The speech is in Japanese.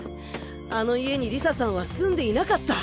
あの家に理沙さんは住んでいなかった。